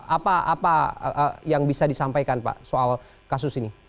apa yang bisa disampaikan pak soal kasus ini